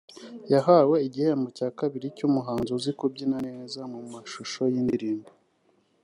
yahawe igihembo cya kabiri cy’umuhanzi uzi kubyina neza mu mashusho y’indirimbo